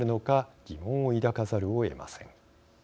疑問を抱かざるをえません。